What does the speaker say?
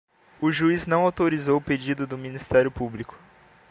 O juiz não autorizou o pedido do ministério público